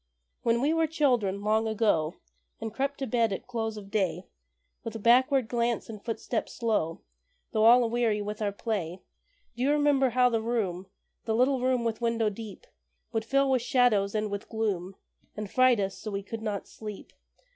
When we were children, long ago, And crept to bed at close of day, With backward glance and footstep slow, Though all aweary with our play, Do you remember how the room The little room with window deep Would fill with shadows and with gloom, And fright us so we could not sleep?